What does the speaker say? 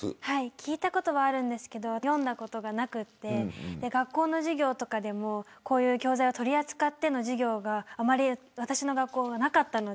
聞いたことはあるんですけど読んだことはなくて学校の授業とかでもこういう教材を取り扱っての授業があまり私の学校はなかったので。